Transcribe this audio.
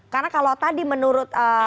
karena kalau tadi menurut